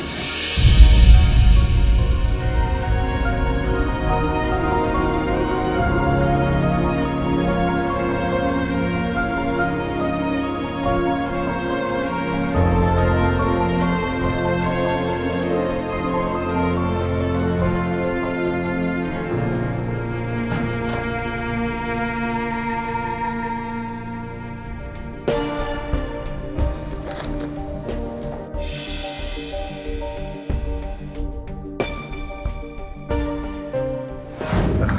aku juga ingin berubah